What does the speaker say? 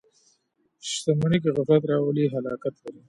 • شتمني که غفلت راولي، هلاکت لري.